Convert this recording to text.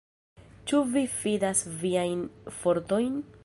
Ĉu vi fidas viajn fortojn?